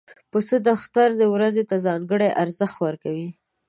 پسه د اختر ورځې ته ځانګړی ارزښت ورکوي.